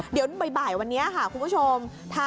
เดี๋ยวบ่ายวันนี้ค่ะคุณผู้ชม